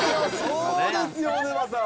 そうですよ、小沼さん。